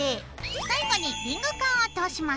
最後にリングカンを通します。